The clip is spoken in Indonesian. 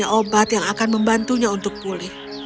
dan saya telah membawakannya obat yang akan membantunya untuk pulih